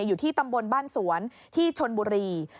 อยู่ที่ตำบลบ้านสวนที่ชนบุรี